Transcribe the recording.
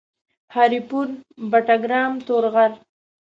هري پور ، بټګرام ، تورغر